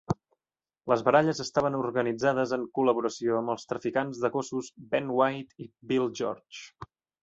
Les baralles estaven organitzades en col·laboració amb els traficants de gossos Ben White i Bill George.